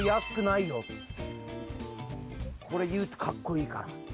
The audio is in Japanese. これいうとかっこいいから。